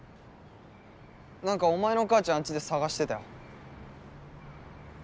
なんかお前の母ちゃんあっちで捜してたよ。